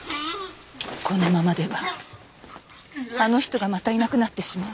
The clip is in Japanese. このままではあの人がまたいなくなってしまう。